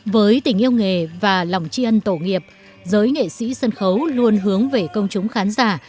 với tình yêu nghề và lòng tri ân tổ nghiệp giới nghệ sĩ sân khấu luôn hướng về công chúng khán giả